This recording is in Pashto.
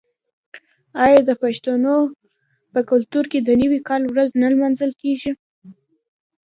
آیا د پښتنو په کلتور کې د نوي کال ورځ نه لمانځل کیږي؟